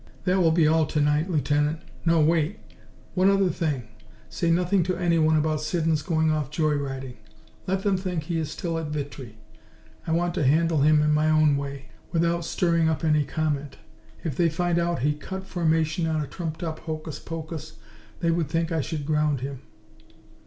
That will be all to night, Lieutenant. No, wait! One other thing: Say nothing to anyone about Siddons going off joy riding. Let them think he is still at Vitry. I want to handle him my own way, without stirring up any comment. If they find out he cut formation on a trumped up hokus pokus, they would think I should ground him."